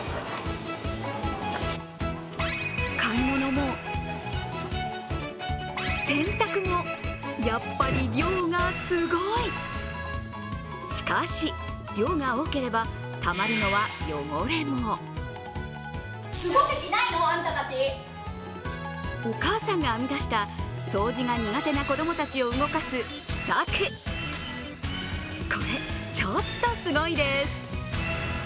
買い物も洗濯もやっぱり量がすごい！しかし、量が多ければたまるのは、汚れもお母さんが編み出した掃除が苦手な子供たちをあ゛ーーー！